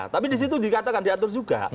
tapi disitu dikatakan diatur juga